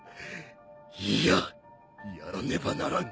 いいややらねばならん！